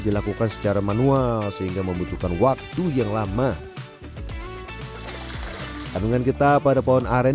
dilakukan secara manual sehingga membutuhkan waktu yang lama kandungan getah pada pohon aren